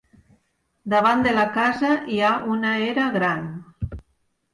Davant de la casa hi ha una era gran.